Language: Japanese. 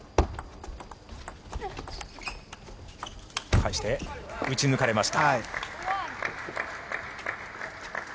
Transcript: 返して、打ち抜かれました。